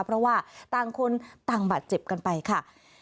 เพราะว่าต่างคนต่างบาดเจ็บกันไปค่ะ